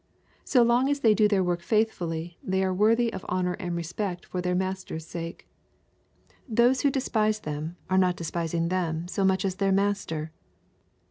So long as they do their work faithfully, they are worthy of honor and respect for their Master's sake. Those who despise them, are not despisiDg them so much as their Master.